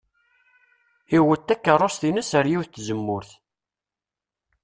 Iwet takeṛṛust-ines ar yiwet n tzemmurt.